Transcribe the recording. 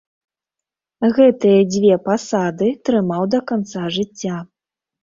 Гэтыя дзве пасады трымаў да канца жыцця.